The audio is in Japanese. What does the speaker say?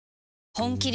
本麒麟